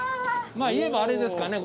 まあいえばあれですかね